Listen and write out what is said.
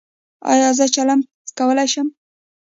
ایا زه چلم څکولی شم؟